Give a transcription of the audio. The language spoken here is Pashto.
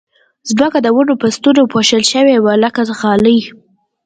ځمکه د ونو په ستنو پوښل شوې وه لکه غالۍ